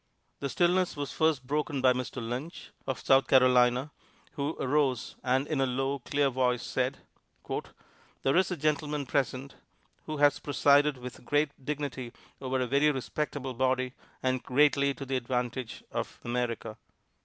The stillness was first broken by Mr. Lynch, of South Carolina, who arose and in a low, clear voice said: "There is a gentleman present who has presided with great dignity over a very respectable body and greatly to the advantage of America.